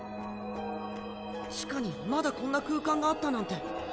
地下にまだこんな空間があったなんて。